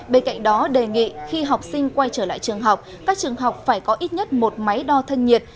bên cạnh đó đề nghị khi học sinh quay trở lại trường học các trường học phải có ít nhất một máy đo thân nhiệt